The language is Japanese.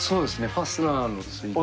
ファスナーの付いてる。